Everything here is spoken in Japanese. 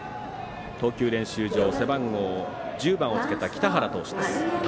投球練習場背番号１０番をつけた北原投手です。